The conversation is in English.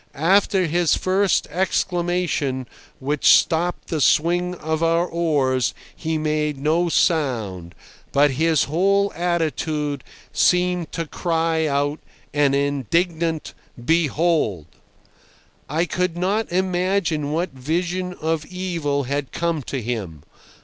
After his first exclamation, which stopped the swing of our oars, he made no sound, but his whole attitude seemed to cry out an indignant "Behold!" ... I could not imagine what vision of evil had come to him.